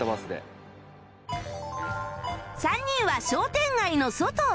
３人は商店街の外を散策